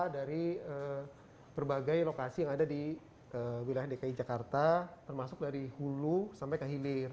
dari berbagai lokasi yang ada di wilayah dki jakarta termasuk dari hulu sampai ke hilir